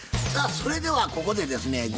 さあそれではここでですね